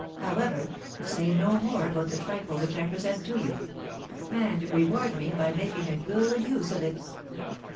However,—say no more about the trifle which I present to you; and reward me by making a good use of it."